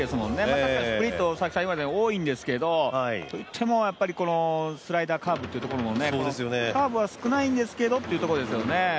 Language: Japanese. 確かにスプリットが多いんですけどどうしてもスライダーカーブっていうところのカーブは少ないんですけどっていうところですよね。